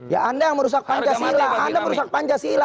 ya anda yang merusak pancasila anda merusak pancasila